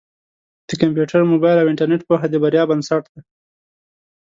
د کمپیوټر، مبایل او انټرنېټ پوهه د بریا بنسټ دی.